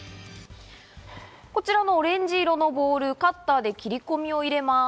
オレンジ色のボール、カッターで切り込みを入れます。